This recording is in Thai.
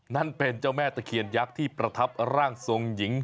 นั่นเป็นเจ้าแม่ตะเคียนยักษ์ที่ประทับร่างทรงหญิง